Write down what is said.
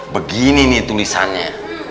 begini nih tulisannya